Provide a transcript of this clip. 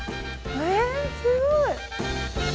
えすごい！